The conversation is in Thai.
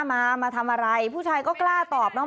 มามาทำอะไรผู้ชายก็กล้าตอบเนาะ